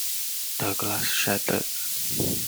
The glass shattered.